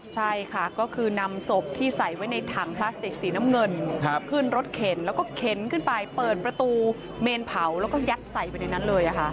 ใช่ค่ะก็คือนำศพที่ใส่ไว้ในถังพลาสติกสีน้ำเงินขึ้นรถเข็นแล้วก็เข็นขึ้นไปเปิดประตูเมนเผาแล้วก็ยัดใส่ไปในนั้นเลย